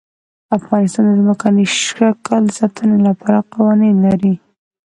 افغانستان د ځمکنی شکل د ساتنې لپاره قوانین لري.